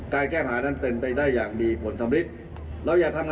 จะเห็นว่ารัฐบาลนี้ทำทุกอย่างนะครับ